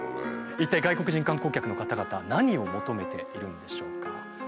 一体外国人観光客の方々は何を求めているんでしょうか？